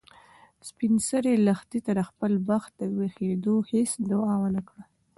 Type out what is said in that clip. سپین سرې لښتې ته د خپل بخت د ویښېدو هیڅ دعا ونه کړه.